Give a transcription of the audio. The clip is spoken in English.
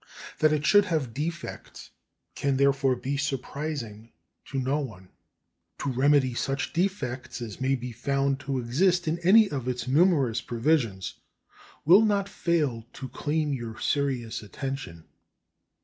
That it should have defects can therefore be surprising to no one. To remedy such defects as may be found to exist in any of its numerous provisions will not fail to claim your serious attention.